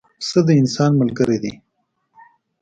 پسه د انسان ملګری دی.